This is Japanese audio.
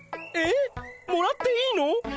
えっもらっていいの？